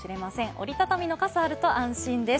折りたたみの傘があると安心です。